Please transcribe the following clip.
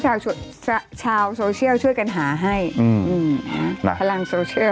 ชาวชาวโซเชียลช่วยกันหาให้พลังโซเชียล